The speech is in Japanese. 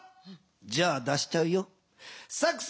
じゃあ出しちゃうよ。